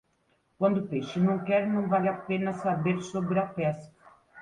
Quando o peixe não quer, não vale a pena saber sobre a pesca.